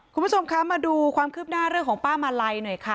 คุณผู้ชมคะมาดูความคืบหน้าเรื่องของป้ามาลัยหน่อยค่ะ